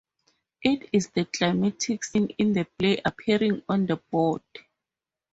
It is the climactic scene in the play appearing on the board.